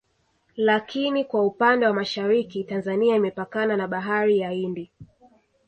Lakini kwa upande wa Mashariki Tanzania imepakana na Bahari ya Hindi